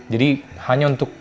jadi hanya untuk